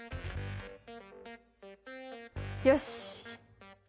よし。